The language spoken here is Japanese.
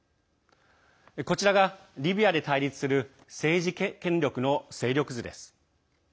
こちらが、リビアで対立する政治権力の勢力図です。